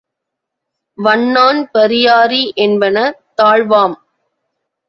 வண்ணான் பரியாரி என்பன தாழ்வாம்.